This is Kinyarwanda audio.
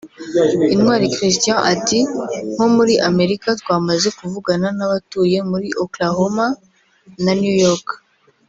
Intwali Christian ati “Nko muri Amerika twamaze kuvugana n’abatuye muri Oklahoma na New York